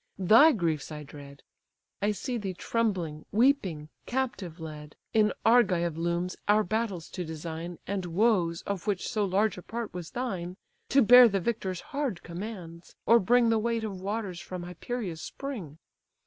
Thy griefs I dread: I see thee trembling, weeping, captive led! In Argive looms our battles to design, And woes, of which so large a part was thine! To bear the victor's hard commands, or bring The weight of waters from Hyperia's spring.